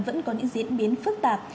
vẫn có những diễn biến phức tạp